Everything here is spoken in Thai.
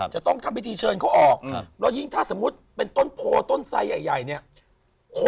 จะต้องทำพิธีเชิญเขาออก